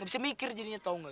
gak bisa mikir jadinya tau gak